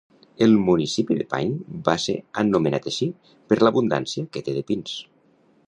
El municipi de Pine va ser anomenat així per l'abundància que té de pins.